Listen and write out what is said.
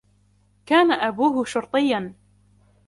كان أبوه شرطيا.